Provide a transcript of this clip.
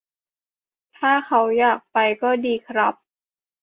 ถ้าเขาอยากไปก็ดีครับ